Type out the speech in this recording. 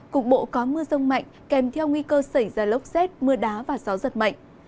cục bộ có mưa rông mạnh kèm theo nguy cơ xảy ra lốc xét mưa đá và gió giật mạnh